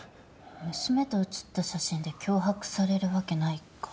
娘と写った写真で脅迫されるわけないか。